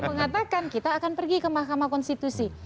mengatakan kita akan pergi ke mahkamah konstitusi